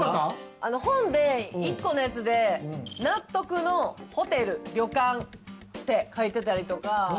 本で１個のやつで『納得のホテル・旅館』って書いてたりとか。